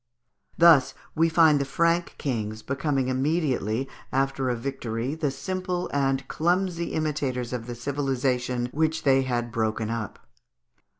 Thus we find the Frank kings becoming immediately after a victory the simple and clumsy imitators of the civilisation which they had broken up."